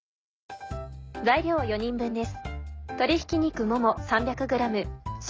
材料４人分です。